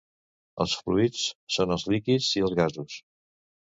Els fluids són els líquids i els gasos.